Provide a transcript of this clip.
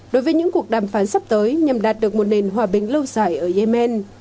đối với những cuộc đàm phán sắp tới nhằm đạt được một nền hòa bình lâu dài ở yemen